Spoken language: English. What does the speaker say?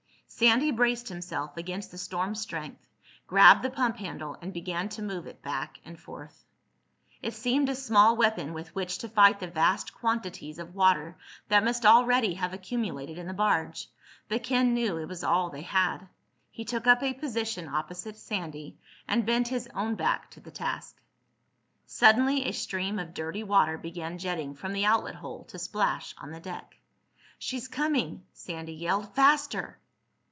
Sandy braced himself against the storm's strength, grabbed the pump handle, and began to move it back and forth. It seemed a small weapon with which to fight the vast quantities of water that must already have accumulated in the barge, but Ken knew it was all they had. He took up a position opposite Sandy and bent his own back to the task. Suddenly a stream of dirty water began jetting from the outlet hole to splash on the deck. "She's coming!" Sandy yelled. "Faster!"